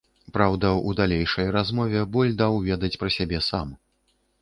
Праўда, у далейшай размове боль даў ведаць пра сябе сам.